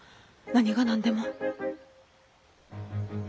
何が何でも。